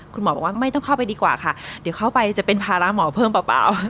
คุณหมอบอกว่าไม่ต้องเข้าไปดีกว่าค่ะเดี๋ยวเข้าไปจะเป็นภาระหมอเพิ่มเปล่า